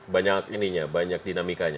banyak ininya banyak dinamikanya